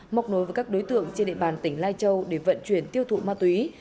móc nối với các đối tượng trên địa bàn tỉnh lai châu để vận chuyển tiêu thụ ma túy